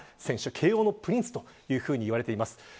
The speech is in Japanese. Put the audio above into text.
慶応のプリンスといわれています。